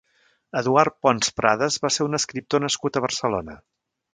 Eduard Pons Prades va ser un escriptor nascut a Barcelona.